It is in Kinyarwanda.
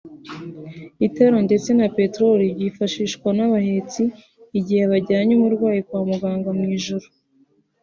itara ndetse na peterori byifashishwa n’abahetsi igihe bajyanye umurwayi kwa muganga mu ijoro